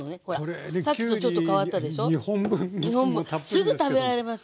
すぐ食べられますよ。